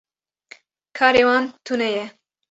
Karê wan tune ye.